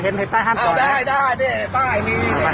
สุดท้ายสุดท้ายสุดท้ายสุดท้าย